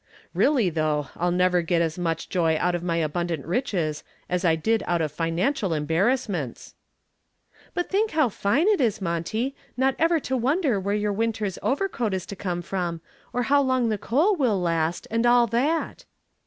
"Really, though, I'll never get as much joy out of my abundant riches as I did out of financial embarrassments." "But think how fine it is, Monty, not ever to wonder where your winter's overcoat is to come from and how long the coal will last, and all that."